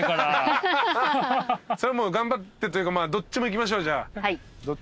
それはもう頑張ってというかどっちも行きましょうじゃあ。